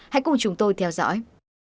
hãy cùng chúng tôi theo dõi